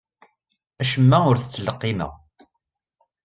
Acemma ur t-ttleqqimeɣ.